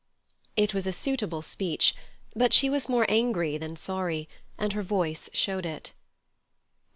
It was a suitable speech, but she was more angry than sorry, and her voice showed it.